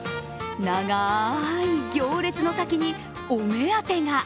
長い行列の先にお目当てが。